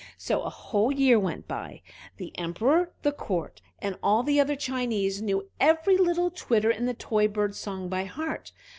So a whole year went by. The Emperor, the court, and all the other Chinese knew every little twitter in the toy bird's song by heart.